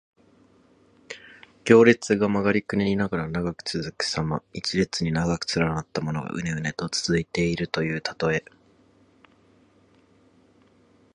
行列が曲がりくねりながら長く続くさま。一列に長く連なったものが、うねうねと続いているというたとえ。